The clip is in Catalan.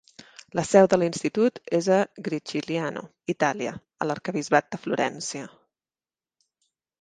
La seu de l'institut és a Gricigliano (Itàlia), a l'Arquebisbat de Florència.